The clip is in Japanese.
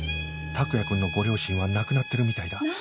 託也くんのご両親は亡くなってるみたいだ